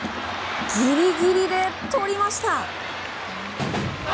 ギリギリでとりました！